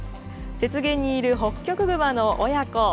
雪原にいるホッキョクグマの親子。